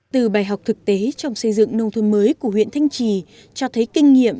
từ bài học thực tế trong xây dựng nông thôn mới của huyện thanh trì cho thấy kinh nghiệm